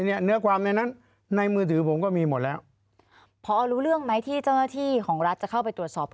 รู้ว่ายังไง